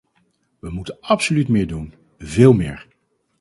We moeten absoluut meer doen, veel meer.